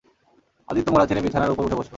আদিত্য মোড়া ছেড়ে বিছানার উপর উঠে বসল।